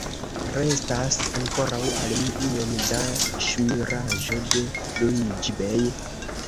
Restas ankoraŭ al mi iom da ŝmiraĵo de Luiĝi-bej.